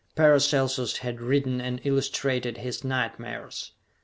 Paracelsus had written and illustrated his nightmares.